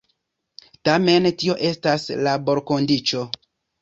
Tamen tio estas laborkondiĉo.